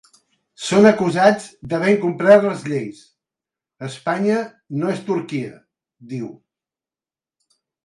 Són acusats d’haver incomplert les lleis, Espanya no és Turquia, diu.